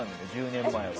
１０年前は。